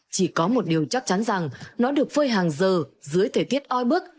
chỉ có một điều chắc chắn rằng nó được phơi hàng giờ dưới thời tiết oi bức